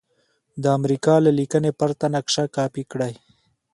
د امریکا له لیکنې پرته نقشه کاپي کړئ.